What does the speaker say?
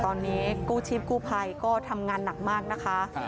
ตอนนี้กู้ชีพกู้ภัยก็ทำงานหนักมากนะคะ